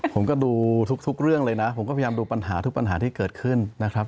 ผมก็ดูทุกเรื่องเลยนะผมก็พยายามดูปัญหาทุกปัญหาที่เกิดขึ้นนะครับ